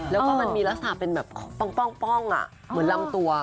แล้วก็มันมีลักษณะเป็นแบบป้องเหมือนลำตัว